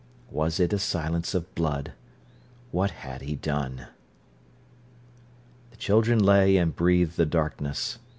Was it a silence of blood? What had he done? The children lay and breathed the darkness.